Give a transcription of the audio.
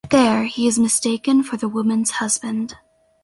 There, he is mistaken for the woman's husband.